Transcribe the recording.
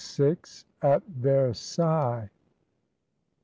AT VERSAILLES.